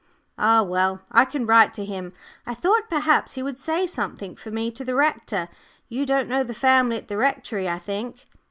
"Ah well! I can write to him. I thought perhaps he would say something for me to the rector you don't know the family at the Rectory, I think?"